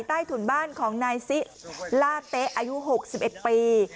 ใต้ถุนบ้านของนายซิล่าเต๊ะอายุ๖๑ปี